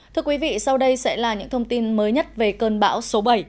thưa quý vị sau đây sẽ là những thông tin mới nhất về cơn bão số bảy